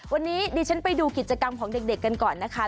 วันนี้ดิฉันไปดูกิจกรรมของเด็กกันก่อนนะคะ